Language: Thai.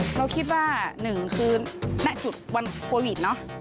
เราคิดว่า๑ได้จุดวันโควิดเนาะ